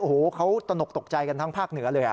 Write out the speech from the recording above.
โอ้โหเขาตนกตกใจกันทั้งภาคเหนือเลย